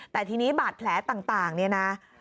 แต่ทีนี้บาดแผลต่างเนี่ยนะ